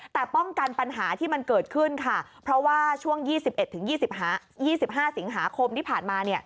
แต่ป้องกันปัญหาที่มันเกิดขึ้นค่ะเพราะว่าช่วง๒๑๒๕สิงหาคมที่ผ่านมา